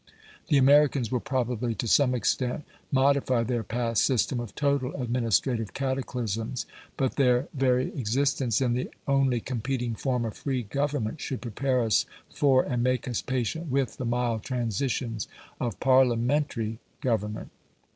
The Americans will probably to some extent modify their past system of total administrative cataclysms, but their very existence in the only competing form of free government should prepare us for and make us patient with the mild transitions of Parliamentary government.